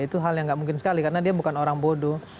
itu hal yang nggak mungkin sekali karena dia bukan orang bodoh